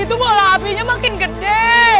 itu apinya makin gede